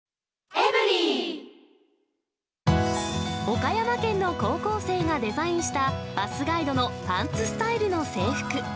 岡山県の高校生がデザインしたバスガイドのパンツスタイルの制服。